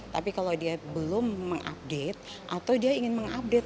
tapi kalau dia belum mengupdate atau dia ingin mengupdate